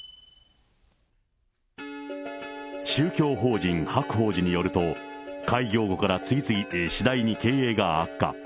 宗教法人白鳳寺によると、開業後から次第に経営が悪化。